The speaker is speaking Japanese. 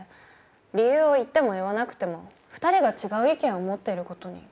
理由を言っても言わなくても２人が違う意見を持っている事に変わりはないわ。